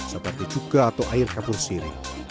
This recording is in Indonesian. seperti cuka atau air kapur sirih